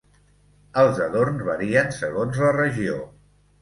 Els adorns varien segons la regió.